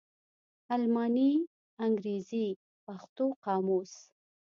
الماني _انګرېزي_ پښتو قاموس